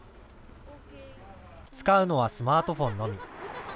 使うのはスマートフォンのみ。